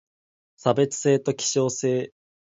差別性と希少性